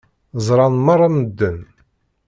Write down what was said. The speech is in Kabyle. Ẓṛan meṛṛa medden.